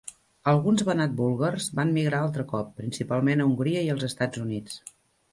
Alguns Banat búlgars van migrar altre cop, principalment a Hongria i els Estats Units.